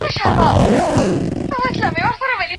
سپوږمۍ ته کتل انسان ته ارامتیا ورکوي.